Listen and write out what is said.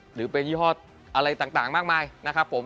หรือเป็นยี่ห้ออะไรต่างมากมายนะครับผม